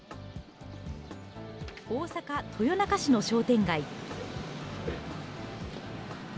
大阪・豊中市の商店街。